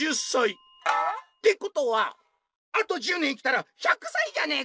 「ってことはあと１０年生きたら１００さいじゃねえか！」。